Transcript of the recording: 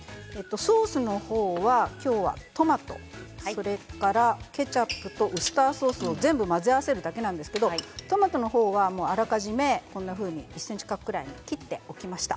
ソースは今日はトマトそれからケチャップとウスターソースを全部混ぜ合わせるだけなんですけれどもトマトは、あらかじめ１ｃｍ角くらいに切っておきました。